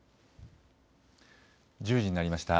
１０時になりました。